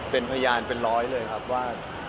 เป็นพยานเป็นร้อยเลยครับว่า